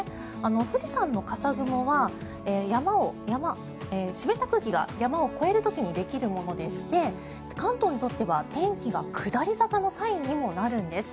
富士山の笠雲は湿った空気が山を越える時にできるものでして関東にとっては天気が下り坂のサインにもなるんです。